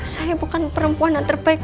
saya bukan perempuan yang terbaik